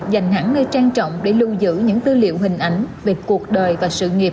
dành hẳn nơi trang trọng để lưu giữ những tư liệu hình ảnh về cuộc đời và sự nghiệp